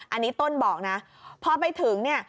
อันนี้ต้นบอกนะพอไปถึงเนี่ย